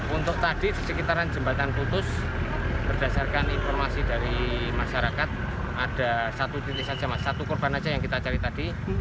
untuk tadi di sekitaran jembatan putus berdasarkan informasi dari masyarakat ada satu titik saja mas satu korban saja yang kita cari tadi